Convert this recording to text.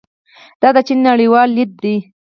دا د چین نړیوال لید دی.